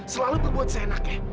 selalu terbuat seenak ya